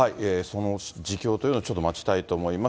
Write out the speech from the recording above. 自供というのを待ちたいと思います。